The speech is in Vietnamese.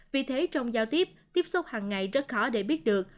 vì thế trong giao tiếp tiếp xúc hàng ngày rất khó để biết được